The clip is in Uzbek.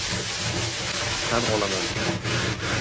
Tan olaman.